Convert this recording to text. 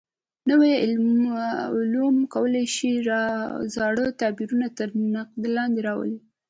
نوي علوم کولای شي زاړه تعبیرونه تر نقد لاندې راولي.